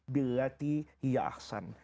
bil latih ya'aksan